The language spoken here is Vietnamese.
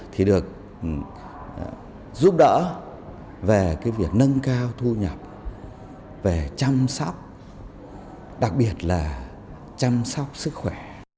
thì được giúp đỡ về cái việc nâng cao thu nhập về chăm sóc đặc biệt là chăm sóc sức khỏe